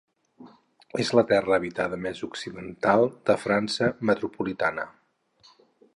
És la terra habitada més occidental de França metropolitana.